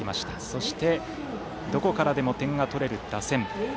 そしてどこからでも点が取れる打線。